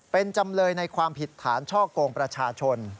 เป็นจำเลยในความผิดฐานช่อกงประชาชน